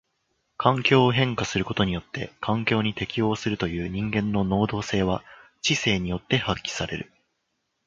環境を変化することによって環境に適応するという人間の能動性は知性によって発揮される。